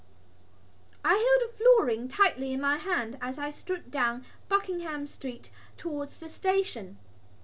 I held a florin tightly in my hand as I strode down Buckingham Street towards the station.